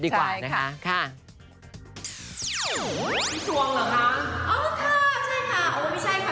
พี่จวงเหรอคะอ๋อค่ะใช่ค่ะโอ้ไม่ใช่ค่ะพี่จุ๊บแจงค่ะ